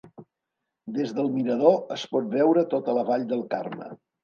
Des del mirador es pot veure tota la vall de Carme.